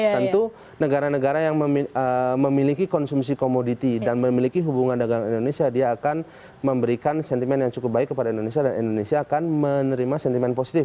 tentu negara negara yang memiliki konsumsi komoditi dan memiliki hubungan dengan indonesia dia akan memberikan sentimen yang cukup baik kepada indonesia dan indonesia akan menerima sentimen positif